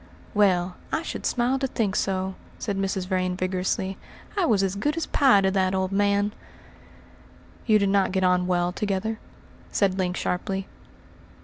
"Well, I should smile to think so," said Mrs. Vrain vigorously. "I was as good as pie to that old man." "You did not get on well together?" said Link sharply.